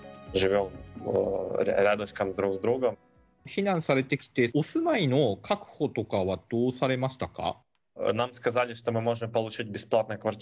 避難されてきて、お住まいの確保とかはどうされましたか？